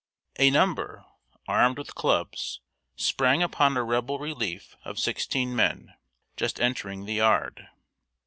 A number, armed with clubs, sprang upon a Rebel relief of sixteen men, just entering the yard.